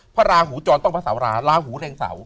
พระราหูจรต้องมาสาวราราหูแทงสาว